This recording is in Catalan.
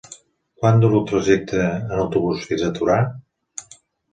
Quant dura el trajecte en autobús fins a Torà?